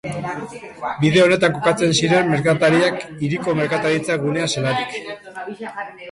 Bide honetan kokatzen ziren merkatariak, hiriko merkataritza gunea zelarik.